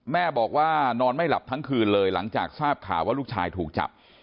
แม่บอกว่านอนไม่หลับทั้งคืนเลยหลังจากทราบข่าวว่าลูกชายถูกจับ